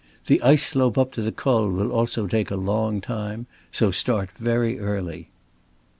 The ice slope up to the Col will also take a long time. So start very early."